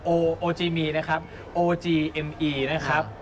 โอโอจีมีนะครับโอจีเอ็มอีนะครับ